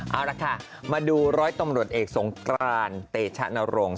เอาละค่ะมาดูร้อยตำรวจเอกสงกรานเตชะนรงค์